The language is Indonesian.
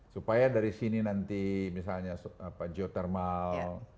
supaya dari sini nanti misalnya geothermal